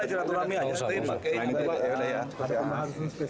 ada kemahasannya spesifik